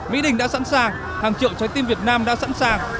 mỹ đình đã sẵn sàng hàng triệu trái tim việt nam đã sẵn sàng